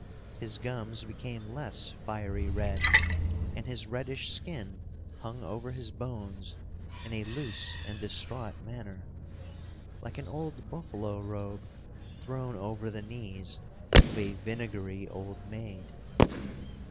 His gums became less fiery red and his reddish skin hung over his bones in a loose and distraught manner, like an old buffalo robe thrown over the knees of a vinegary old maid.